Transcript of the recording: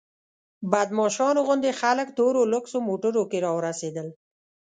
بدماشانو غوندې خلک تورو لوکسو موټرو کې راورسېدل.